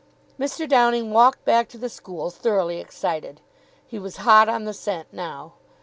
Mr. Downing walked back to the school thoroughly excited. He was hot on the scent now.